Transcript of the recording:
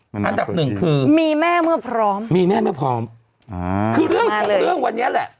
อันดับหนึ่งคือมีแม่เมื่อพร้อมมีแม่ไม่พร้อมอ่าคือเรื่องของเรื่องวันนี้แหละ